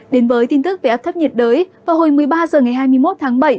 đến với tin tức về áp thấp nhiệt đới vào hồi một mươi ba h ngày hai mươi một tháng bảy